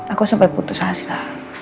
aku sampai putus asa